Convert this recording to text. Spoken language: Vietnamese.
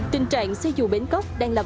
tình trạng xe dù bến cốc đang là